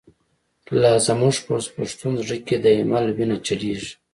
لاز موږ په پښتون زړه کی، ”دایمل” وینه چلیږی